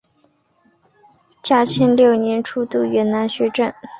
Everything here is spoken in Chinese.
嘉庆六年出督云南学政。